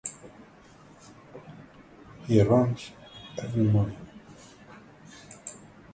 Pritchard Park in downtown Asheville is named in his memory.